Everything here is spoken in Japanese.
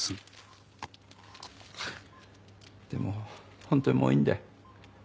でも本当にもういいんだよ。